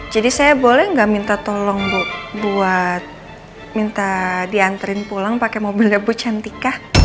jadi saya boleh nggak minta tolong bu buat minta dianterin pulang pakai mobilnya bu cantikah